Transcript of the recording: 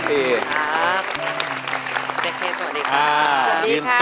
สวัสดีครับ